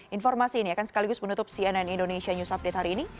informasi ini akan sekaligus menutup cnn indonesia news update hari ini